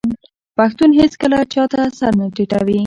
پښتون هیڅکله چا ته سر نه ټیټوي.